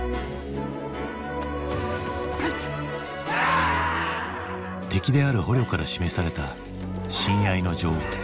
あ！敵である捕虜から示された親愛の情。